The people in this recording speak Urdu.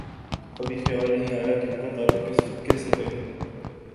تو کبھی خیال نہیں آیا کہ ان کا تعلق کس فقہ سے ہے۔